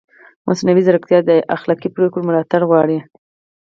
مصنوعي ځیرکتیا د اخلاقي پرېکړو ملاتړ غواړي.